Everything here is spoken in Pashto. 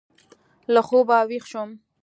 له خوبه وېښ شوم.